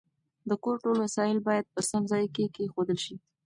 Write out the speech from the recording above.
د کور ټول وسایل باید په سم ځای کې کېښودل شي.